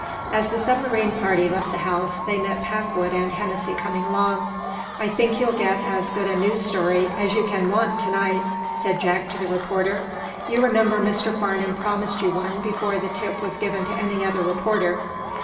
As the submarine party left the house they met Packwood and Hennessy coming along. "I think you'll get as good a news story as you can want to night," said Jack to the reporter. "You remember, Mr. Farnum promised you one before the tip was given to any other reporter."